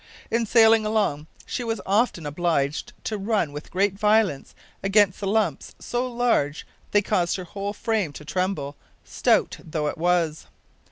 In sailing along she was often obliged to run with great violence against lumps so large that they caused her whole frame to tremble, stout though it was.